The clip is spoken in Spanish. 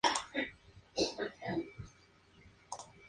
Ostenta el título tradicional de Wali de Sokoto.